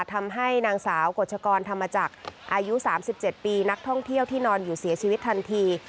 ทำให้นางสาวกฎชกรธรรมจักรอายุ๓๗ปีนักท่องเที่ยวที่นอนอยู่เสียชีวิตทันที